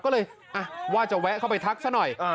ก็เลยว่าจะแวะเข้าไปทักซะหน่อย